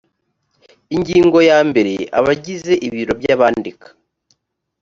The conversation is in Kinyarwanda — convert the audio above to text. ingingo ya mbere abagize ibiro by abandika